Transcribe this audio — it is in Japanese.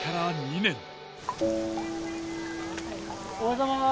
おはようございます！